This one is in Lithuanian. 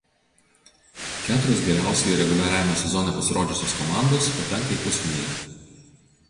Keturios geriausiai reguliariajame sezone pasirodžiusios komandos patenka į pusfinalį.